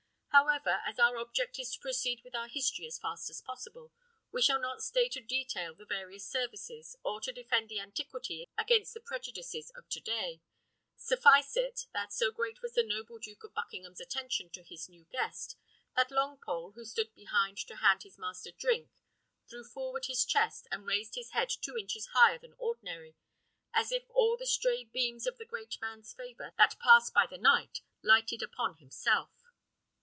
However, as our object is to proceed with our history as fast as possible, we shall not stay to detail the various services, or to defend antiquity against the prejudices of to day: suffice it, that so great was the noble Duke of Buckingham's attention to his new guest, that Longpole, who stood behind to hand his master drink, threw forward his chest, and raised his head two inches higher than ordinary, as if all the stray beams of the great man's favour that passed by the knight lighted upon himself.